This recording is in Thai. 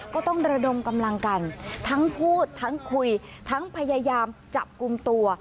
ก็ต้องระดมกำลังกันทั้งพูดทั้งคุยทั้งพยายามจับกลุ่มตัว